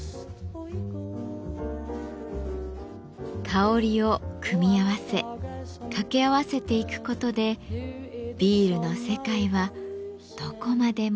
香りを組み合わせ掛け合わせていくことでビールの世界はどこまでも広がっていきます。